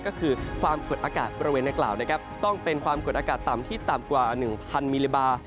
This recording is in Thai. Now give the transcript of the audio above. ก็คือความกดอากาศบริเวณนักกล่าวนะครับต้องเป็นความกดอากาศต่ำที่ต่ำกว่า๑๐๐มิลลิบา